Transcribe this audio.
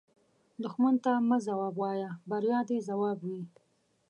دښمن ته مه ځواب وایه، بریا دې ځواب وي